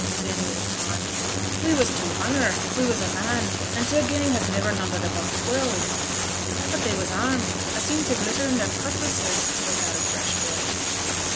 Daniel went on 'We was two hunder, if we was a man; an' t' gang has niver numbered above twelve.' 'But they was armed. A seen t' glitter on their cutlasses,' spoke out a fresh voice.